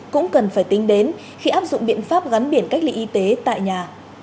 cũng cần phải tính đến khi áp dụng biện pháp gắn biển cách ly y tế tại nhà